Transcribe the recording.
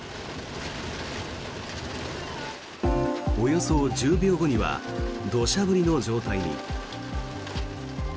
およそ１０秒後には土砂降りの状態に。